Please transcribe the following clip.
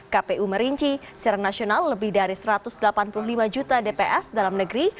kpu merinci secara nasional lebih dari satu ratus delapan puluh lima juta dps dalam negeri